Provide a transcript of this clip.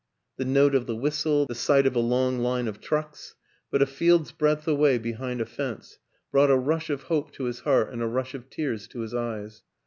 The note of the whistle, the sight of a long line of trucks but a field's breadth away behind a fence brought a rush of hope to his heart and a rush of tears to his eyes.